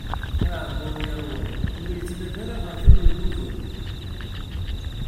Aɛebbuḍ yeṛwan ur yettnadi ara ɣef win yelluẓen.